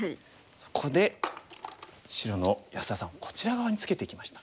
そこで白の安田さんこちら側にツケてきました。